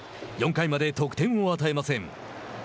４回まで得点を与えません。